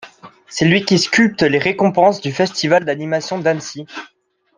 C'est lui qui sculpte les récompenses du Festival d'animation d'Annecy.